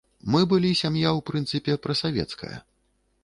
Мы былі сям'я, у прынцыпе, прасавецкая.